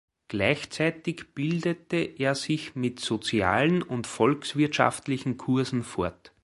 Gleichzeitig bildete er sich mit sozialen und volkswirtschaftlichen Kursen fort.